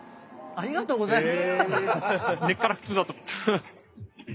ありがとうございます。